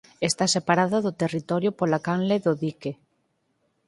Está separada do territorio pola Canle do Dique.